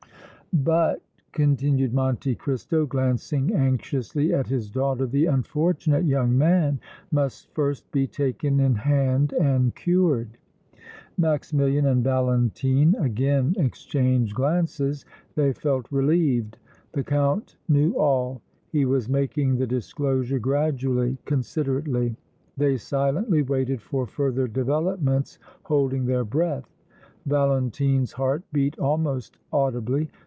"But," continued Monte Cristo, glancing anxiously at his daughter, "the unfortunate young man must first be taken in hand and cured!" Maximilian and Valentine again exchanged glances. They felt relieved. The Count knew all. He was making the disclosure gradually, considerately. They silently waited for further developments, holding their breath. Valentine's heart beat almost audibly.